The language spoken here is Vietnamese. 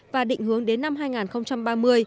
và định hướng đến năm hai nghìn ba mươi